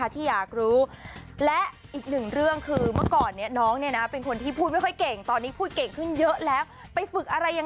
มีแฟนหรือยังค่ะหนุ่มมหาลัย